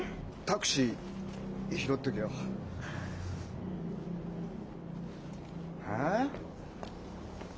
タクシー拾ってけよ。え？